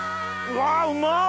うわうまい！